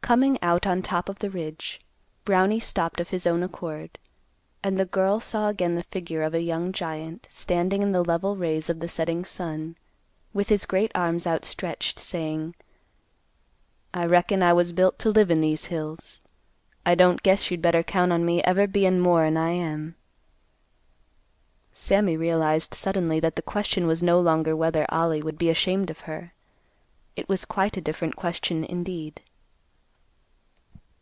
Coming out on top of the ridge, Brownie stopped of his own accord, and the girl saw again the figure of a young giant, standing in the level rays of the setting sun, with his great arms outstretched, saying, "I reckon I was built to live in these hills. I don't guess you'd better count on me ever bein' more'n I am." Sammy realized suddenly that the question was no longer whether Ollie would be ashamed of her. It was quite a different question, indeed.